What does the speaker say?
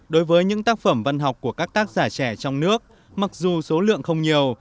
đối với những tác phẩm văn học của các tác giả trẻ trong nước mặc dù số lượng không nhiều